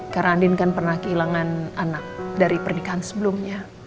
karena andin kan pernah kehilangan anak dari pernikahan sebelumnya